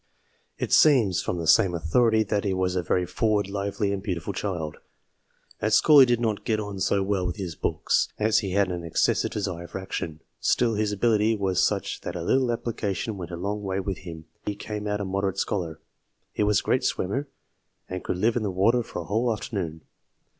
It seems, from the same authority, that he was a very forward, lively, and beautiful child. At school he did not get on so well with his books, as he had an excessive desire for action ; still, his ability was such that a little applica tion went a long way with him, and in the end he came out a moderate scholar. He was a great swimmer, and could live in the water for a whole afternoon.